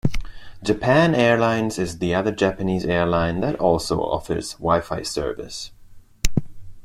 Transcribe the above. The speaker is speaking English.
Japan Airlines is the other Japanese airline that also offers wi-fi service.